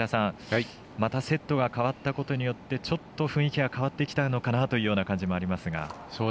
またセットが変わったことによって雰囲気が変わってきたのかなという感じがありますが。